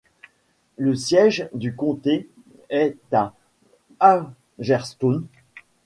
Le siège du comté est à Hagerstown.